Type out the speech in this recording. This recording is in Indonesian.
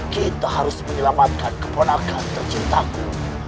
kita harus menyelamatkan keponakan tercintaku